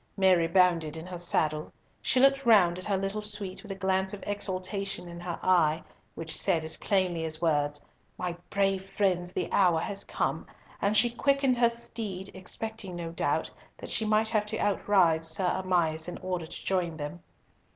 Mary bounded in her saddle, she looked round at her little suite with a glance of exultation in her eye, which said as plainly as words, "My brave friends, the hour has come!" and she quickened her steed, expecting, no doubt, that she might have to outride Sir Amias in order to join them.